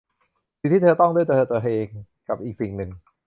สิ่งที่เธอต้องด้วยตัวเธอเอง กับอีกสิ่งหนึ่ง